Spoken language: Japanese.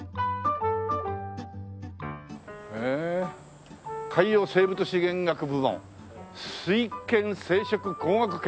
へえ「海洋生物資源学部門」「水圏生殖工学研究所」。